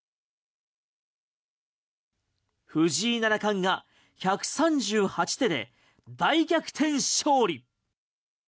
藤井七冠が１３８手で大逆転勝利。